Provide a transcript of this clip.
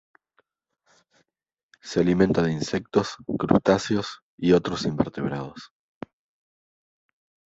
Se alimenta de insectos, crustáceos y otros invertebrados.